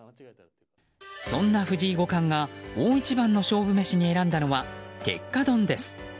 そんな藤井五冠が大一番の勝負メシに選んだのは鉄火丼です。